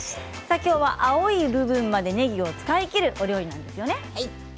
きょうは青い部分までねぎを使い切るお料理なんですね。